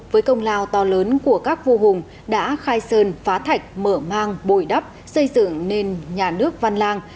với công lao to lớn của các vua hùng đã khai sơn phá thạch mở mang bồi đắp xây dựng nên nhà nước văn lang